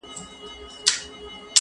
ما پرون د ښوونځي کتابونه مطالعه وکړ،